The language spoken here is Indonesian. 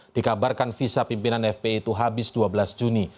dikabarkan visa pimpinan fpi itu habis dua belas juni